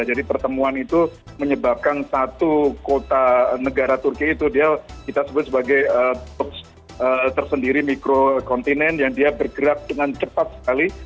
jadi pertemuan itu menyebabkan satu kota negara turki itu dia kita sebut sebagai tersendiri mikrokontinen yang dia bergerak dengan cepat sekali